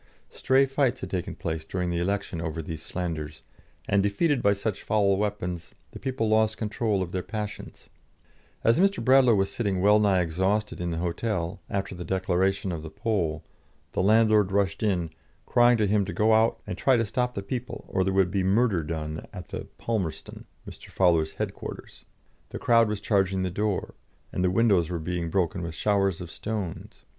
Stray fights had taken place during the election over these slanders, and, defeated by such foul weapons, the people lost control of their passions. As Mr. Bradlaugh was sitting well nigh exhausted in the hotel, after the declaration of the poll, the landlord rushed in, crying to him to go out and try to stop the people, or there would be murder done at the "Palmerston," Mr. Fowler's headquarters; the crowd was charging the door, and the windows were being broken with showers of stones.